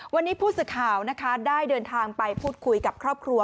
วันนี้ผู้สื่อข่าวนะคะได้เดินทางไปพูดคุยกับครอบครัว